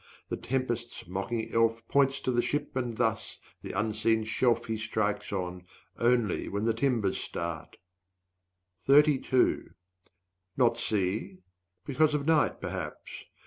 The tempest's mocking elf Points to the shipman thus the unseen shelf 185 He strikes on, only when the timbers start. Not see? because of night perhaps?